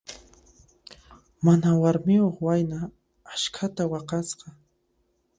Mana warmiyuq wayna askhata waqasqa.